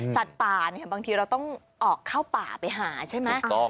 สัตว์ป่าเนี่ยบางทีเราต้องออกเข้าป่าไปหาใช่ไหม